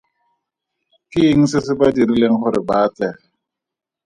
Ke eng se se ba dirileng gore ba atlege?